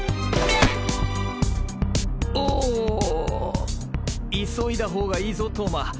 れ！お急いだ方がいいぞ投馬。